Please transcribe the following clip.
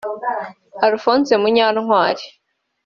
Alphonse Munyantwali